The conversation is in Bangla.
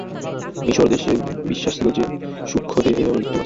মিশরদেশে বিশ্বাস ছিল যে, সূক্ষ্মদেহেরও মৃত্যু আছে।